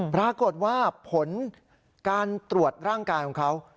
ปรากฏว่าผลการตรวจร่างกายของเขา